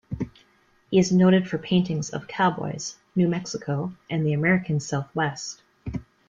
He is noted for paintings of cowboys, New Mexico, and the American Southwest.